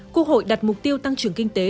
quốc hội đặt mục tiêu tăng trưởng kinh tế